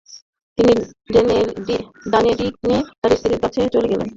তিনি ডানেডিনে তার স্ত্রীর কাছে চলে যেতেন।